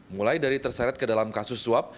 mulai dari terseret ke dalam kasus suap